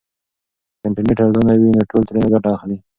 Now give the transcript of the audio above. که انټرنیټ ارزانه وي نو ټول ترې ګټه اخلي.